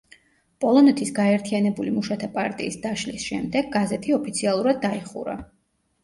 პოლონეთის გაერთიანებული მუშათა პარტიის დაშლის შემდეგ გაზეთი ოფიციალურად დაიხურა.